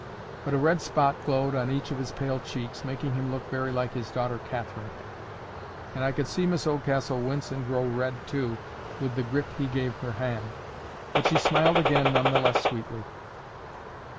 But a red spot glowed on each of his pale cheeks, making him look very like his daughter Catherine, and I could see Miss Oldcastle wince and grow red too with the grip he gave her hand. But she smiled again none the less sweetly.